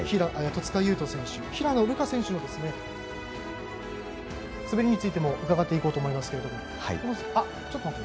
戸塚優斗選手、平野流佳選手の滑りについても伺っていこうと思います。